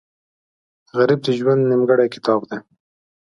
غریب د ژوند نیمګړی کتاب دی